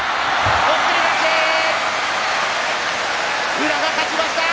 宇良が勝ちました。